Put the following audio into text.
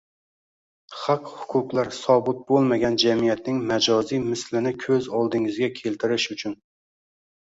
Haq-huquqlar sobit bo‘lmagan jamiyatning majoziy mislini ko‘z oldingizga keltirish uchun